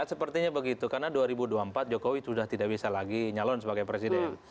sepertinya begitu karena dua ribu dua puluh empat jokowi sudah tidak bisa lagi nyalon sebagai presiden